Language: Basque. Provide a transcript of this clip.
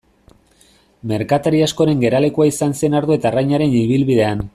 Merkatari askoren geralekua izan zen ardo eta arrainaren ibilbidean.